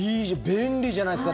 便利じゃないですか。